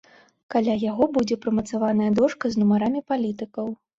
Каля яго будзе прымацаваная дошка з нумарамі палітыкаў.